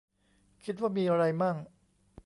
คิดว่ามีไรมั่ง ?